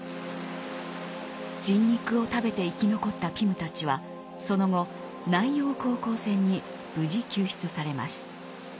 人肉を食べて生き残ったピムたちはその後南洋航行船に無事救出されます。